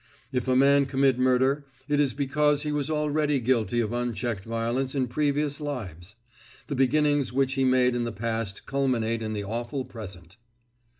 If a man commit murder, it is because he was already guilty of unchecked violence in previous lives. The beginnings which he made in the past culminate in the awful present.